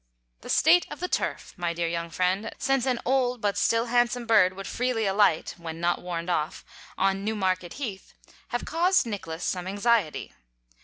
The State of the Turf, my dear young friend, since an old but still handsome bird would freely alight (when not warned off) on Newmarket Heath, have caused Nicholas some anxiety.